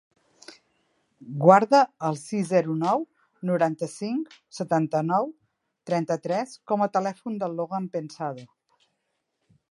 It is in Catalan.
Guarda el sis, zero, nou, noranta-cinc, setanta-nou, trenta-tres com a telèfon del Logan Pensado.